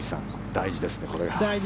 大事ですよね。